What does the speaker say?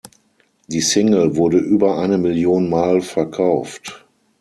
Die Single wurde über eine Million Mal verkauft.